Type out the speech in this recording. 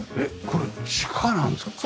これ地下なんですか？